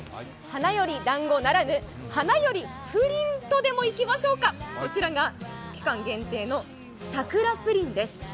花よりだんごならぬ、花よりプリンとでもいきましょうかこちらが期間限定のさくらプリンです。